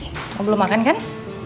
kamu belum makan kan